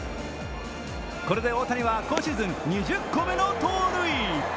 これで大谷は今シーズン２０個目の盗塁。